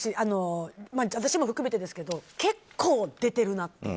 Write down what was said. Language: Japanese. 私も含めてですけど結構出てるなと。